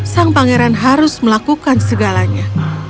sang pangeran harus melakukan segalanya